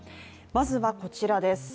まずは、こちらです。